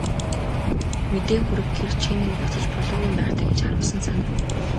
Мэдээ хүргэхээр чи минь буцаж болоогүй юм байх даа гэж харуусан санана.